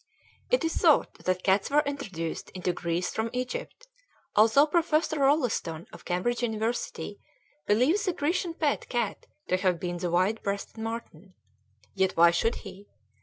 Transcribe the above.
It is thought that cats were introduced into Greece from Egypt, although Professor Rolleston, of Cambridge University, believes the Grecian pet cat to have been the white breasted marten. Yet why should he?